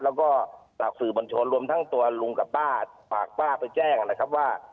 แล้วก็ฝากสื่อบนชนรวมทั้งตัวลุงกับป้าฝากป้าไปแจ้งนะครับว่า